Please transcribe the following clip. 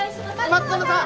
「松園さん！